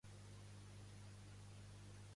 On es trobava la llaura de Sant Isidre?